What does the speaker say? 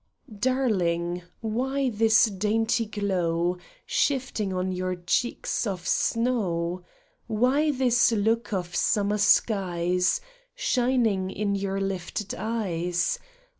ARLING, why this dainty glov/ Shifting on your cheeks of snow ? Why this look of summer skies Shining in your lifted eyes